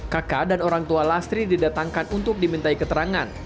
kakak dan orang tua lastri didatangkan untuk dimintai keterangan